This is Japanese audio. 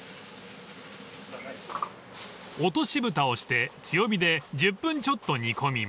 ［落としぶたをして強火で１０分ちょっと煮込みます］